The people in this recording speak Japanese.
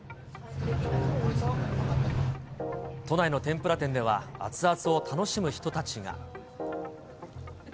都内の天ぷら店では、熱々を楽しむ人たちが。